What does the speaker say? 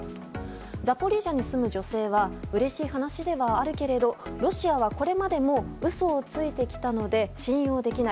ザポリージャに住む女性はうれしい話ではあるけどロシアはこれまでも嘘をついてきたので信用できない。